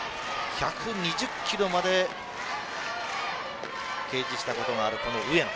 １２０ｋｍまで掲示したことがある上野。